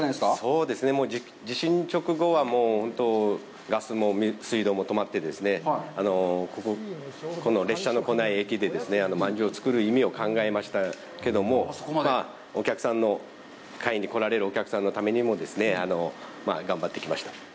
そうですね、地震直後は本当ガスも水道も止まって、この列車の来ない駅でまんじゅうを作る意味を考えましたけども、買いに来られるお客さんのためにも頑張ってきました。